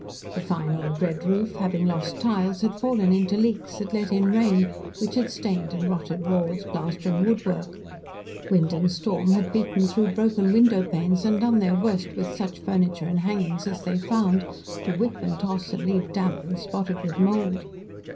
The fine old red roof, having lost tiles, had fallen into leaks that let in rain, which had stained and rotted walls, plaster, and woodwork; wind and storm had beaten through broken window panes and done their worst with such furniture and hangings as they found to whip and toss and leave damp and spotted with mould.